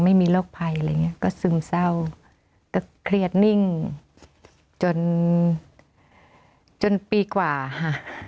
ไม่มีโรคภัยอะไรอย่างเงี้ยก็ซึมเศร้าก็เครียดนิ่งจนจนปีกว่าค่ะ